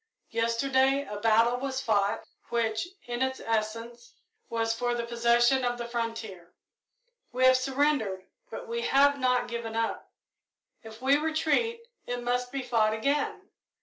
Yesterday a battle was fought, which, in its essence, was for the possession of the frontier. We have surrendered, but we have not given up. If we retreat, it must be fought again.